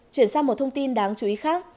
chuyển sang một thông tin đáng chú ý khác